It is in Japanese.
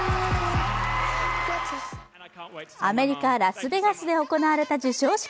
アメリカ・ラスベガスで行われた授賞式。